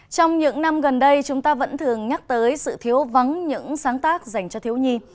trong những năm gần đây chúng ta vẫn thường nhắc tới sự thiếu vắng những sáng tác dành cho thiếu nhi